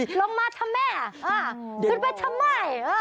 ลงมาทำแม่ขึ้นไปทำไม